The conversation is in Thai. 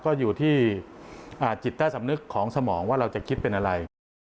ก็อยู่ที่จิตใต้สำนึกของสมองว่าเราจะคิดเป็นอะไร